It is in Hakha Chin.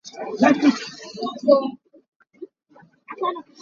Ṭhudan ah ka ke kaa suk.